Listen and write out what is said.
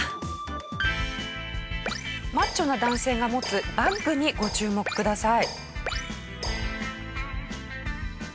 マッチョな男性が持つバッグにご注目ください。